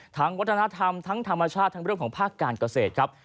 วัฒนธรรมทั้งธรรมชาติทั้งเรื่องของภาคการเกษตรครับ